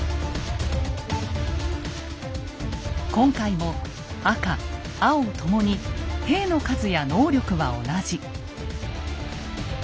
今回も赤・青共に兵の数や能力は同じ。